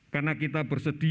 karena kita bersedia